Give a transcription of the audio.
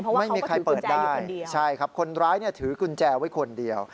เพราะว่าเขาก็ถือกุญแจอยู่คนเดียวใช่ครับคนร้ายถือกุญแจไว้คนเดียว